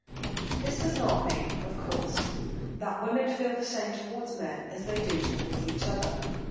This does not mean, of course, that women feel the same towards men as they do towards each other.